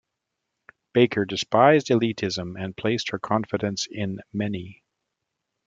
Baker despised elitism and placed her confidence in many.